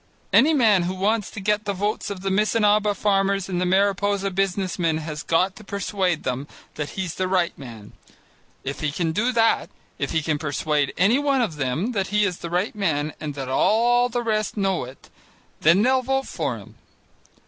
Any man who wants to get the votes of the Missinaba farmers and the Mariposa business men has got to persuade them that he's the right man. If he can do that, if he can persuade any one of them that he is the right man and that all the rest know it, then they'll vote for him.